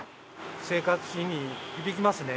生活に響きますね。